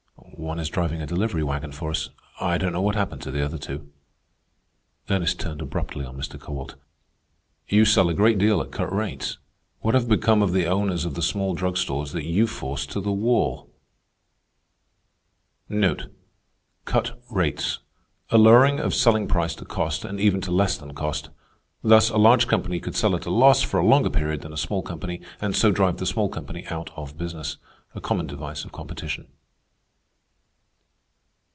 "One is driving a delivery wagon for us. I don't know what happened to the other two." Ernest turned abruptly on Mr. Kowalt. "You sell a great deal at cut rates. What have become of the owners of the small drug stores that you forced to the wall?" A lowering of selling price to cost, and even to less than cost. Thus, a large company could sell at a loss for a longer period than a small company, and so drive the small company out of business. A common device of competition.